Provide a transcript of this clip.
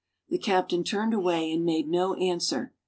The captain turned away and made no answer.